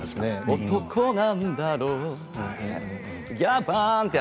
男なんだろうって。